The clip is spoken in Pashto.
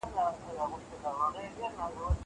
دا قلمان له هغو ښايسته دي.